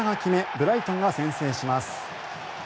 ブライトンが先制します。